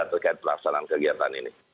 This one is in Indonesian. terkait pelaksanaan kegiatan ini